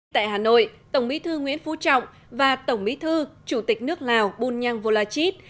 tại hà nội tổng bí thư nguyễn phú trọng và tổng bí thư chủ tịch nước lào bunyang volachit